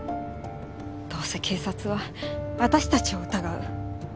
どうせ警察は私たちを疑う。